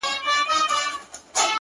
كبرجن وو ځان يې غوښـتى پــه دنـيـا كي ـ